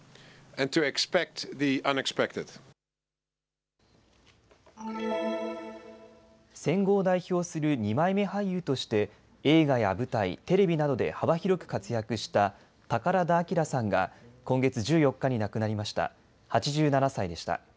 戦後を代表する二枚目俳優として映画や舞台、テレビなどで幅広く活躍した宝田明さんが今月１４日に亡くなりました。